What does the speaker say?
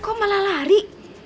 kok malah lari